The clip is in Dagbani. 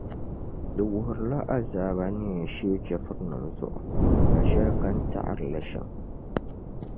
Di wuhirila azaaba ni yɛn shee chεfurinima zuɣu ka shɛli kani taɣiri li shɛm.